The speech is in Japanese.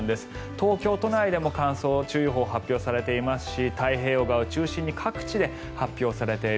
東京都内でも乾燥注意報が発表されていますし太平洋側を中心に各地で発表されている。